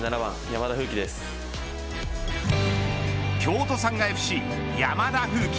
京都サンガＦＣ、山田楓喜。